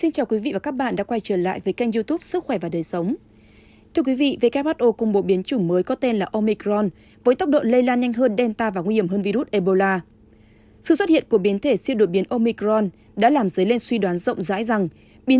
các bạn hãy đăng ký kênh để ủng hộ kênh của chúng mình nhé